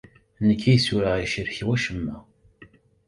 Nekk yid-s ur aɣ-yecrek wacemma.